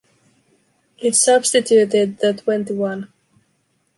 It substituted the Twenty-One.